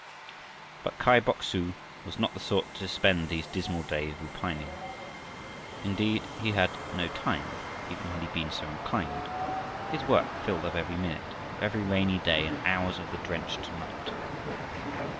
But Kai Bok su was not the sort to spend these dismal days repining. Indeed he had no time, even had he been so inclined. His work filled up every minute of every rainy day and hours of the drenched night.